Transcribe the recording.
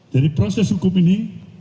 jadi proses hukum ini